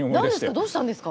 どうしたんですか？